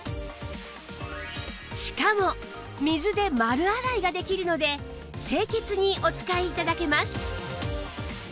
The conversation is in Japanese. しかも水で丸洗いができるので清潔にお使い頂けます